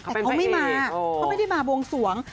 แต่เขาไม่มาเขาไม่ได้มาบวงสวง